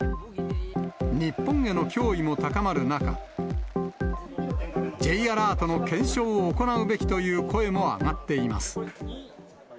日本への脅威も高まる中、Ｊアラートの検証を行うべきという声も上がっています。